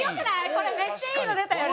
これめっちゃいいの出たよね。